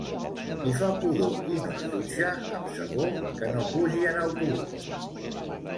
Qui fa pudor i no es dutxa amb sabó que no pugi en autobús